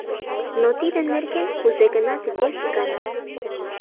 Но тидын нерген кузе-гынат вес гана.